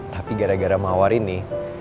tapi gara gara mawar ini